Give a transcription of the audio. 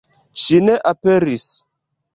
Ŝi ne aperis.